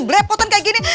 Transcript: belepotan kayak gini